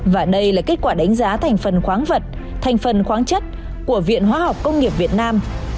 và đây là kết quả đánh giá thành phần khoáng vật thành phần khoáng chất của viện hóa học công nghiệp việt nam